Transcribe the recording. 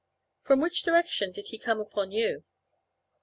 From which direction did he come upon you?"